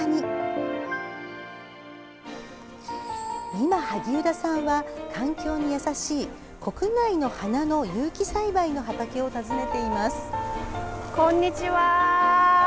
今、萩生田さんは環境に優しい国内の花の有機栽培の畑を訪ねています。